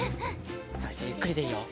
よしゆっくりでいいよ。